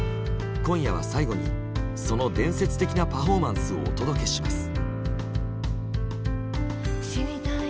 今夜は最後にその伝説的なパフォーマンスをお届けします。